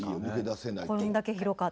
こんだけ広かったら。